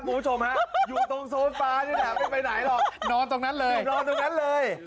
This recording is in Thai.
คุณผู้ชมฮะอยู่ตรงโซนฟ้านี่แหละไม่ไปไหนหรอกนอนตรงนั้นเลยนอนตรงนั้นเลย